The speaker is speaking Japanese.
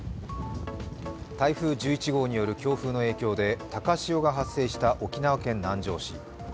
台風１１号による強風の影響で高潮が発生した沖縄県南城市。